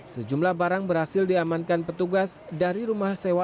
sejumlah barang berhasil diamankan petugas dari rumah sewa